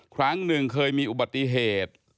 ครั้งหนึ่งเคยมีอุบัติเหตุ